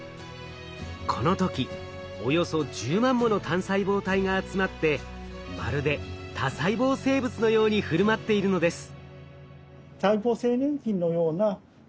この時およそ１０万もの単細胞体が集まってまるで多細胞生物のように振る舞っているのです。